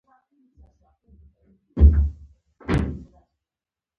خو دا نظمونه تل خیالي بنسټ لري.